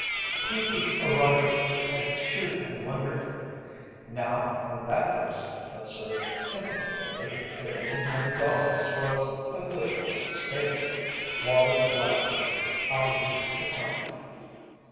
Pinkey's arrival had cheered him wonderfully. Now when that person observed tentatively that $1,800 was "a good little stake," Wallie blithely offered to count it.